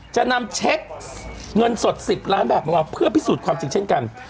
จะนำเช็คเงินสด๑๐ล้านบาทมาวางเพื่อพิสูจน์ความจริงเช่นกัน